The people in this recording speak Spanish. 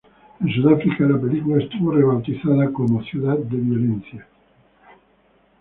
En Sudáfrica, la película estuvo rebautizada como "Ciudad de Violencia".